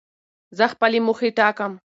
زه خپلي موخي ټاکم.